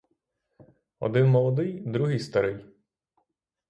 Один молодий, другий старий.